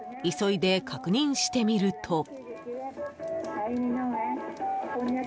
急いで確認してみると。